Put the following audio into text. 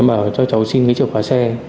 em bảo cho cháu xin cái chìa khóa xe